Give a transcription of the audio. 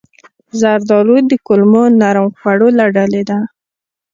زردالو د کولمو نرم خوړو له ډلې ده.